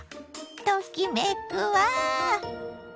ときめくわ。